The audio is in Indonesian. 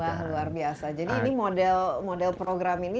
luar biasa jadi model model program ini